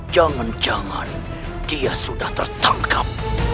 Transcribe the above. jangan jangan dia sudah tertangkap